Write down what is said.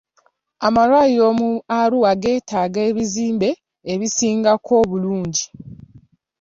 Amalwaliro mu Arua geetaaga ebizimbe ebisingako obulungi.